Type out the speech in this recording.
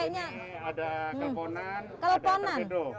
ini ada kelponan ada torpedo